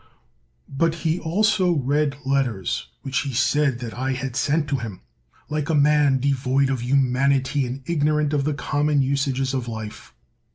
But he also read letters which he said that I 172 CICERO had sent to him, like a man devoid of humanity and ignorant of the common usages of life.